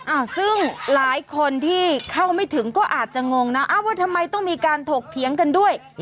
ซึ่งหลายคนที่เข้าไม่ถึงก็อาจจะงงนะอ้าวว่าทำไมต้องมีการถกเถียงกันด้วย